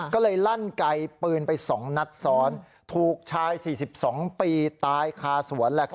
ก็เลยลั่นไกลปืนไป๒นัดซ้อนถูกชาย๔๒ปีตายคาสวน